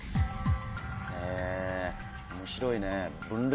へぇ面白いね。